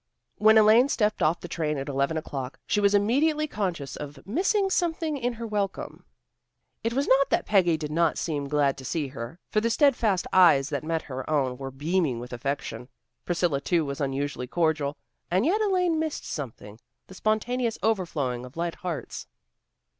When Elaine stepped off the train at eleven o'clock she was immediately conscious of missing something in her welcome. It was not that Peggy did not seem glad to see her, for the steadfast eyes that met her own were beaming with affection. Priscilla too was unusually cordial. And yet Elaine missed something, the spontaneous overflowing of light hearts.